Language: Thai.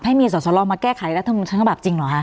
ให้มีส่วนสลองมาแก้ไขรัฐธรรมนุนทั้งฉบาปจริงหรอ